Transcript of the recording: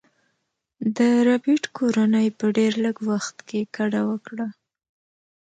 د ربیټ کورنۍ په ډیر لږ وخت کې کډه وکړه